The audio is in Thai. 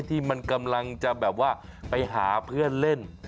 ที่มันกำลังจะแบบว่าไปหาเพื่อนเล่น